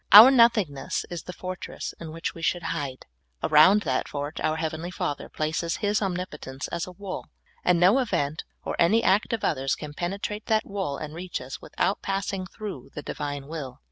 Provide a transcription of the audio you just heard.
Our nothingness is the fortress in which we should hide ; around that fort our heavenly Father places His omnipotence as a wall, and no event or any act of others can penetrate that wall and reach us, without passing through the Divine will.